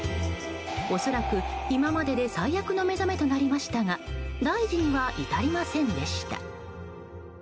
恐らく、今までで最悪の目覚めとなりましたが大事には至りませんでした。